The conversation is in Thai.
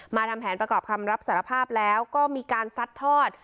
ทำแผนประกอบคำรับสารภาพแล้วก็มีการซัดทอด